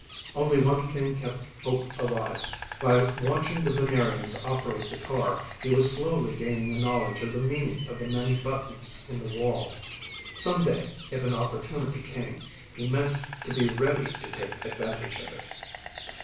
Only one thing kept hope alive: by watching the Venerians operate the car, he was slowly gaining a knowledge of the meaning of the many buttons in the wall. Some day, if an opportunity came, he meant to be ready to take advantage of it.